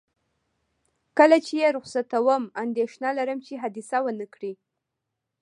کله چې یې رخصتوم، اندېښنه لرم چې حادثه ونه کړي.